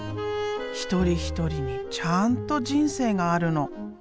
一人一人にちゃんと人生があるの。